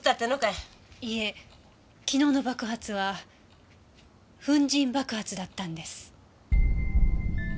いいえ昨日の爆発は粉塵爆発だったんです。